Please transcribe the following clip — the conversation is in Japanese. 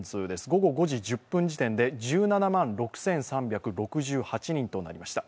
午後５時１０分時点で１７万６３６８人となりました。